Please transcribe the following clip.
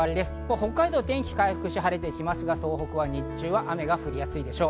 北海道は天気が回復し、晴れてきますが、東北は日中は雨が降りやすいでしょう。